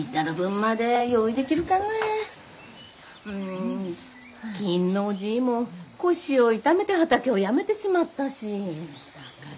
ん金武のおじぃも腰を痛めて畑をやめてしまったし。